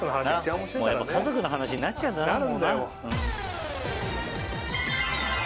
家族の話になっちゃうんだな。